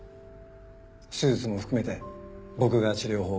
手術も含めて僕が治療法を考えます。